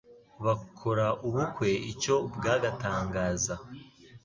bakora ubukwe icyo bwagatangaza